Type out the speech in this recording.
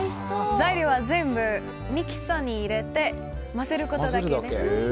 材料は全部ミキサーに入れて混ぜるだけです。